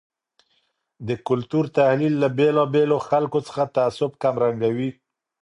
د کلتور تحلیل له بیلابیلو خلګو څخه تعصب کمرنګوي.